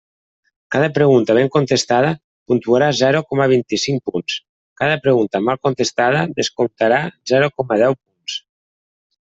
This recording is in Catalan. Cada pregunta ben contestada puntuarà zero coma vint-i-cinc punts; cada pregunta mal contestada descomptarà zero coma deu punts.